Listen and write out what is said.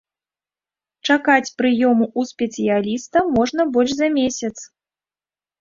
Чакаюць прыёму ў спецыяліста можна больш за месяц.